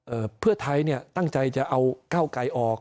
เพื่อไทยเนี่ยตั้งใจจะเอาเก้าไก่ออก